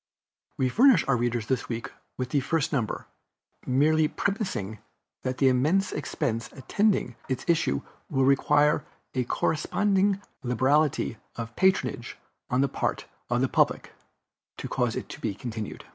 We furnish our readers this week with the first number, merely premising that the immense expense attending its issue will require a corresponding liberality of patronage on the part of the Public, to cause it to be continued.